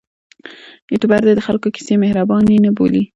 یوټوبر دې د خلکو کیسې مهرباني نه بولي.